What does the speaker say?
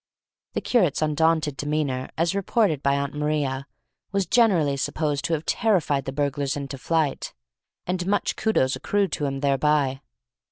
The curate's undaunted demeanour, as reported by Aunt Maria, was generally supposed to have terrified the burglars into flight, and much kudos accrued to him thereby.